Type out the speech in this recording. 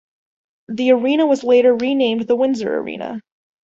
The arena was later renamed the Windsor Arena.